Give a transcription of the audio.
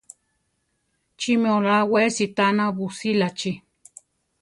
Chí mi olá we sitána busílachi?